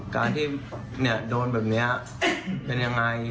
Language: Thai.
การที่โดนแบบนี้เป็นยังไง